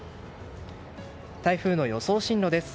台風の予想進路です。